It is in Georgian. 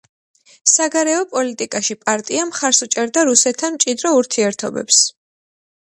საგარეო პოლიტიკაში პარტია მხარს უჭერდა რუსეთთან მჭიდრო ურთიერთობებს.